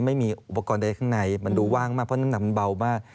ไม่มีอุปกรณ์ใดทำลายข้างในมันดูว่างมากเพราะธนาบมันเบามาก